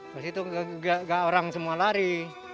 di situ enggak orang semua lari